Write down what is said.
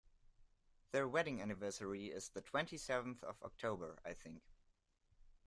Their wedding anniversary is the twenty-seventh of October, I think